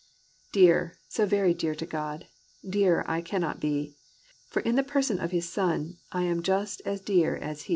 Dear, so very dear to God, Dearer I cannot be; For in the person of His Son, I am just as dear as He."